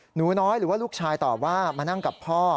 หนูน้อยหรือว่าลูกชายตอบว่ามานั่งกับพ่อ